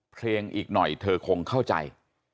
เพลงอีกหน่อยเธอคงเข้าใจ